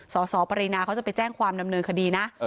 สสปรินาเขาจะไปแจ้งความดำเนินคดีนะ